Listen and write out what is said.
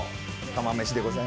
釜めしでございます。